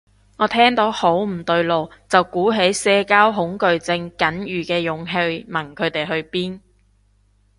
我聽到好唔對路，就鼓起社交恐懼症僅餘嘅勇氣問佢哋去邊